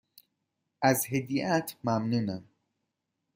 از هدیهات ممنونم.